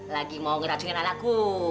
lagi mau ngeracunin anakku